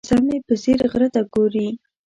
وزه مې په ځیر غره ته ګوري.